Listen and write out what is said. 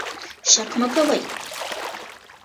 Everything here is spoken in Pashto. شک مه کوئ.